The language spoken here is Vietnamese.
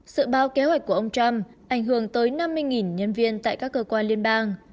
sự báo kế hoạch của ông trump ảnh hưởng tới năm mươi nhân viên tại các cơ quan liên bang